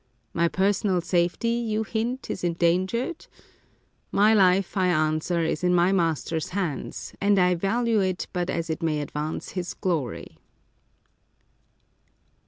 My personal safety, you hint, is endangered ; my life, I answer, is in my Master's hands, and I value it but as it may advance His glory."